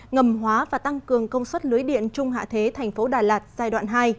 ngầm hóa và tăng cường công suất lưới điện trung hạ thế thành phố đà lạt giai đoạn hai